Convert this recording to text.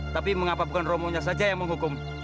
tapi mengapa bukan romonya saja yang menghukum